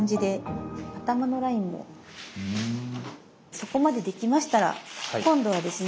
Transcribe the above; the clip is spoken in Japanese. そこまでできましたら今度はですね